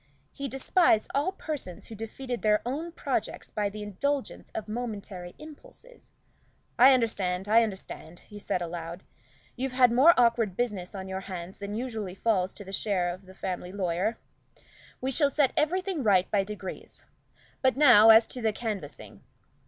He despised all persons who defeated their own projects by the indulgence of momentary impulses. "I understand, I understand," he said aloud. "You've had more awkward business on your hands than usually falls to the share of a family lawyer. We shall set everything right by degrees. But now as to the canvassing.